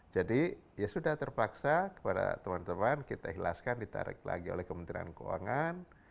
jadi sudah terpaksa kepada teman teman kita hilaskan ditarik lagi oleh kementerian keuangan